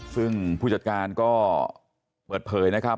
ซึ่งผู้จัดการก็เปิดเผยนะครับ